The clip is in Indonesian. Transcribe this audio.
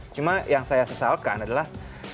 cuma yang saya sesalkan adalah